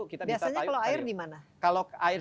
kita bisa taruh biasanya kalau air di mana kalau air